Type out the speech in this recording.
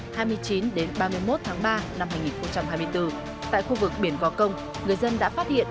hai mươi chín đến ba mươi một tháng ba năm hai nghìn hai mươi bốn tại khu vực biển gò công người dân đã phát hiện